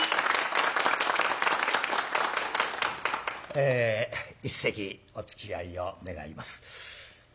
え一席おつきあいを願います。